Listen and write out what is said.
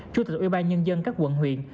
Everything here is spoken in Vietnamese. chủ tịch ubnd các quận huyện